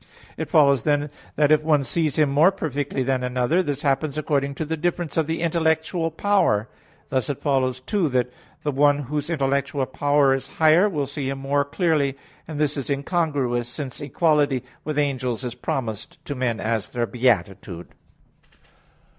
It follows then that if one sees Him more perfectly than another, this happens according to the difference of the intellectual power; thus it follows too that the one whose intellectual power is higher, will see Him the more clearly; and this is incongruous; since equality with angels is promised to men as their beatitude.